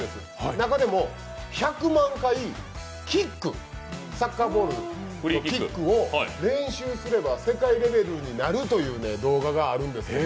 中でも「１００万回キックを練習すれば世界レベルになる？」という動画があるんです。